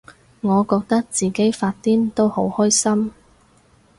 我覺得自己發癲都好開心